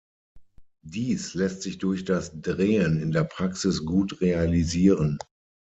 Dies lässt sich durch das Drehen in der Praxis gut realisieren.